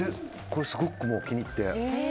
これすごく気に入って。